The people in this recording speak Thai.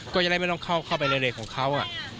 ก็จะได้ไม่ต้องเข้าไปเลยของเขา